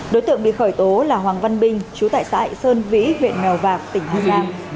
đối tượng bị khởi tố là hoàng văn binh chú tại xã hải sơn vĩ huyện mèo vạc tỉnh hà giang